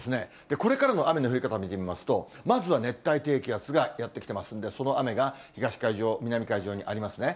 これからの雨の降り方を見てみますと、まずは熱帯低気圧がやって来てますんで、その雨が東海上、南海上にありますね。